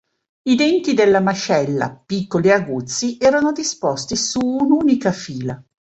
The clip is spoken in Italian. I denti della mascella, piccoli e aguzzi, erano disposti su un'unica fila.